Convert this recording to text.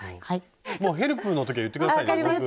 もうヘルプの時は言って下さいよ。